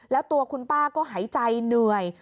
แล้วตัวคุณป้าก็หายใจเหนื่อย